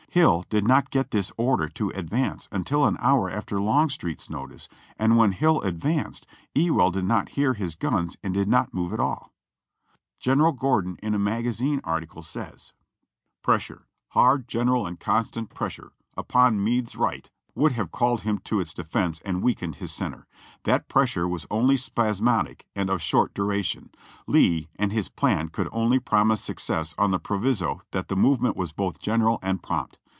Hill did not get this order to advance until an hour after Longstreet's notice, and when Hill advanced, Ewell did not hear his guns and did not move at all. General Gordon in a magazine article says : "Pressure — hard, general,, and constant pressure — upon Meade's right would have called him to its defense and weakened his center. That pressure was only spasmodic and of short dura tion— Lee and his plan could only promise success on the pro viso that the movement was both general and prompt.